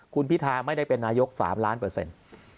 คุณพิทาไม่ได้เป็นนายก๓ล้านเปอร์เซ็นต์